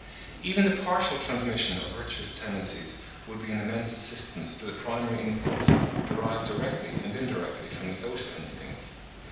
Even the partial transmission of virtuous tendencies would be an immense assistance to the primary impulse derived directly and indirectly from the social instincts.